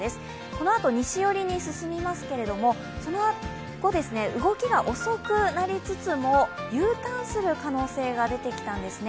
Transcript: このあと、西寄りに進みますけどもその後、動きが遅くなりつつもＵターンする可能性が出てきたんですね。